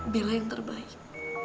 bella yang terbaik